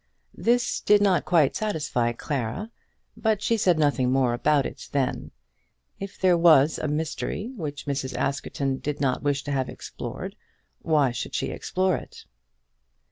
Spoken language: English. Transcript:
This did not quite satisfy Clara, but she said nothing more about it then. If there was a mystery which Mrs. Askerton did not wish to have explored, why should she explore it?